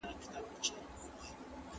تاریخ د ویاړ ډک مثالونه لري.